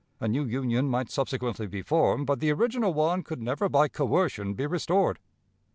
A new union might subsequently be formed, but the original one could never by coercion be restored.